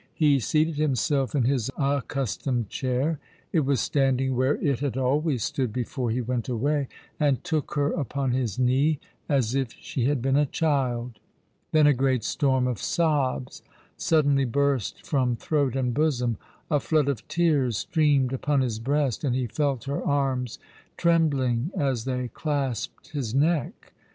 He seated himself in his accustomed chair — it was standing where it had always stood before he went away — and took her upon his knee, as if she had been a child. Then a great storm of sobs suddenly burst from throat and bosom, a flood of tears streamed upon his breast, and he felt her arms trembling as they clasped his neck.